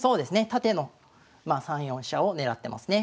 縦の３四飛車を狙ってますね。